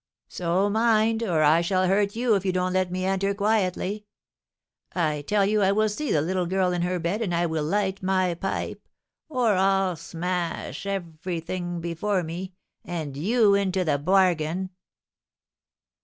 So mind, or I shall hurt you if you don't let me enter quietly. I tell you I will see the little girl in her bed, and I will light my pipe, or I'll smash everything before me, and you into the bargain."